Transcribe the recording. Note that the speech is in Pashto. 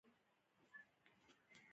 د سیند غیږ کې انځورګر د څپو کښېناست